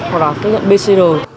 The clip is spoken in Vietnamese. hoặc là cái dẫn pcr